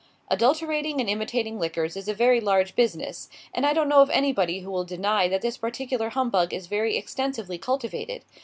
Adulterating and imitating liquors is a very large business; and I don't know of anybody who will deny that this particular humbug is very extensively cultivated.